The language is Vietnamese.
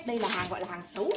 đây là hàng gọi là hàng xấu